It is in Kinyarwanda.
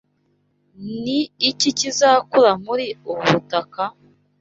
Ni iki kizakura muri ubu butaka?